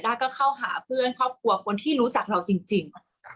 ก็เข้าหาเพื่อนครอบครัวคนที่รู้จักเราจริง